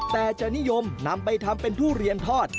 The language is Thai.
แต่จะนิยมนำไปทำเป็นทุเรียนทอด